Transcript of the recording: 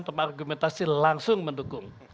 tanpa argumentasi langsung mendukung